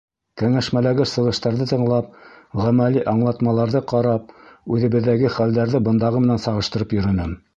Кәңәшмәләге сығыштарҙы тыңлап, ғәмәли аңлатмаларҙы ҡарап, үҙебеҙҙәге хәлдәрҙе бындағы менән сағыштырып йөрөнөм.